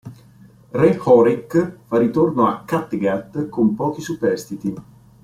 Re Horik fa ritorno a Kattegat con pochi superstiti.